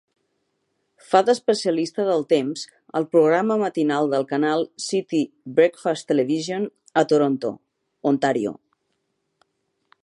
Fa d'"especialista del temps" al programa matinal del canal City "Breakfast Television" a Toronto, Ontàrio.